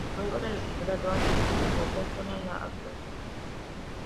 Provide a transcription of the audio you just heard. Luego de graduarse, se enfocó solo en la actuación.